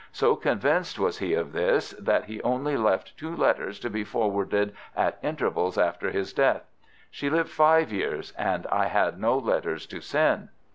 So convinced was he of this, that he only left two letters to be forwarded at intervals after his death. She lived five years, and I had no letters to send.